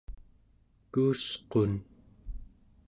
kuusqun